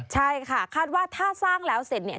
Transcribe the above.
ใช่ค่ะคาดว่าถ้าสร้างแล้วเสร็จเนี่ย